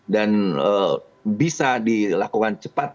dan bisa dilakukan cepat